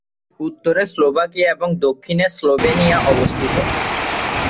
উত্তরে স্লোভাকিয়া এবং দক্ষিণে স্লোভেনিয়া অবস্থিত।